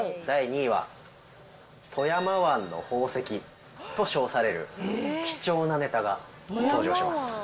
第２位は、富山湾の宝石と称される貴重なネタが登場します。